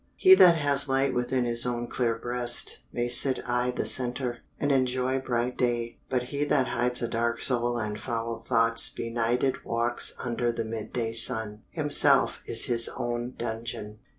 He that has light within his own clear breast May sit i' the center, and enjoy bright day: But he that hides a dark soul and foul thoughts Benighted walks under the midday sun; Himself is his own dungeon.